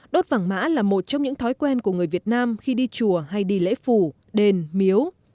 đốt vàng mã là một trong những thói quen của người việt nam khi đi chùa hay đi lễ phủ đền miếu